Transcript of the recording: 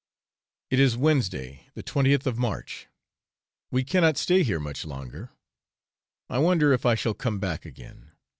It is Wednesday, the 20th of March; we cannot stay here much longer; I wonder if I shall come back again!